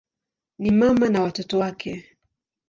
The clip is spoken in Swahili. Ni mama na watoto wake.